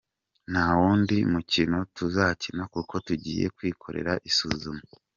Nta wundi mukino tuzakina kuko tugiye kwikorera isuzuma.